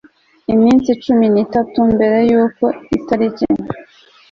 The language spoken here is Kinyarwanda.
y iminsi cumi n itanu mbere y uko itariki